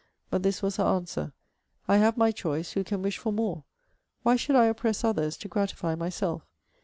But this was her answer; 'I have my choice, who can wish for more? Why should I oppress others, to gratify myself?